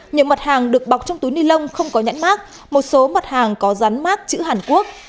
nhiều mặt hàng được bọc trong túi ni lông không có nhãn mát một số mặt hàng có rán mát chữ hàn quốc